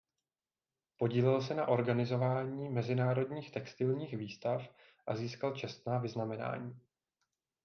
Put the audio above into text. Podílel se na organizováni mezinárodních textilních výstav a získal čestná vyznamenání.